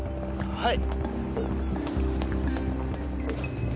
はい？